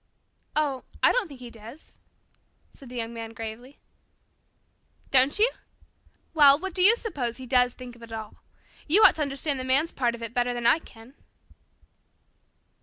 "Oh, I don't think he does," said the Young Man gravely. "Don't you? Well, what do you suppose he does think of it all? You ought to understand the man's part of it better than I can."